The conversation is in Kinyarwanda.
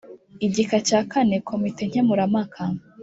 Igika cya kane komite nkemurampaka